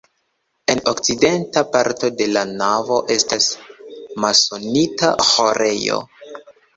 En okcidenta parto de la navo estas masonita ĥorejo.